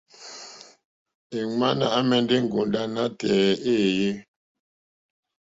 Èŋwánà àmɛ̀ndɛ́ ŋgòndá nátɛ̀ɛ̀ éèyé.